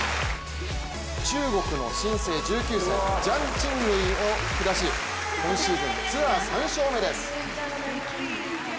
中国の新星、１９歳のジャン・チンウェンを下し今シーズン、ツアー３勝目です。